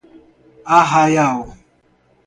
Arraial